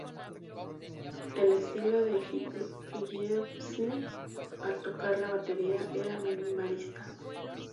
El estilo de Gillespie al tocar la batería era minimalista.